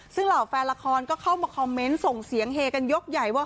ซึ่งเหล่าแฟนละครก็เข้ามาคอมเมนต์ส่งเสียงเฮกันยกใหญ่ว่า